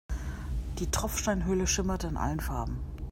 Die Tropfsteinhöhle schimmerte in allen Farben.